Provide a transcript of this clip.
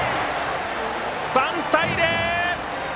３対０！